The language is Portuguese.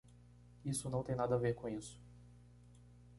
Isso não tem nada a ver com isso!